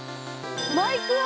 マイクワ？